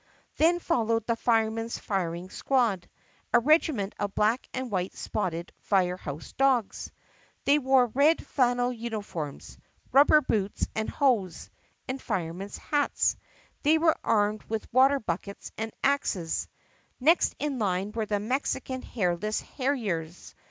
Then followed the Firemen's Firing Squad, a regiment of black and white spotted fire house dogs. They wore red flan nel uniforms, rubber boots and hose, and firemen's hats. They were armed with water buckets and axes. Next in line were the Mexican Hairless Harriers.